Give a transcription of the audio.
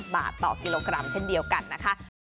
บาทต่อกิโลกรัมเช่นเดียวกันนะคะ